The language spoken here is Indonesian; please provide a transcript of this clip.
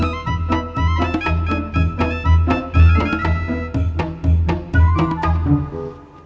siapa yang nyuruh